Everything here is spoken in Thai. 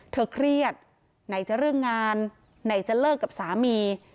เครียดไหนจะเรื่องงานไหนจะเลิกกับสามี